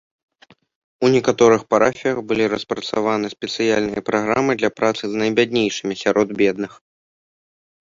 У некаторых парафіях былі распрацаваны спецыяльныя праграмы для працы з найбяднейшымі сярод бедных.